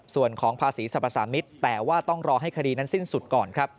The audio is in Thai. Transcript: ส่วนของภาษีสรรพสามิตรแต่ว่าต้องรอให้คดีนั้นสิ้นสุดก่อนครับ